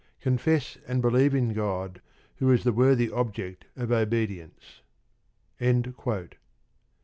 Confess and believe in God, who is the worthy object of obedience.